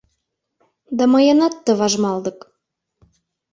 Да мыйынат ты важмалдык